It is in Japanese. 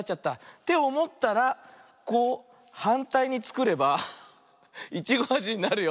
っておもったらこうはんたいにつくればイチゴあじになるよ。